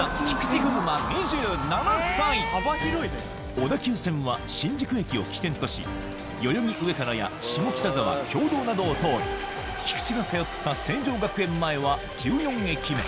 小田急線は新宿駅を起点とし代々木上原や下北沢経堂などを通り菊池が通った成城学園前は１４駅目